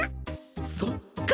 そっか！